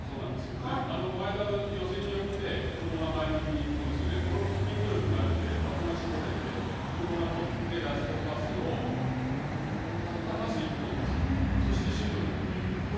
このシーンもそうなんですけど、前田の寄せによって久保が前向きに、ここですよね、このスプリント力があるんで、的が絞れて、久保が取って、ラストパスを、たったパス１本ですよ、そしてシュートにもっていける。